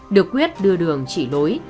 được quyết đưa đường chỉ đối